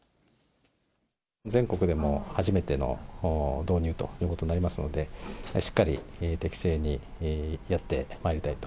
全国でも初めての導入ということになりますので、しっかり適正にやってまいりたいと。